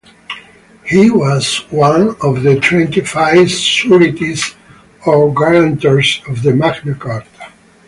He was one of the twenty-five sureties or guarantors of the Magna Carta.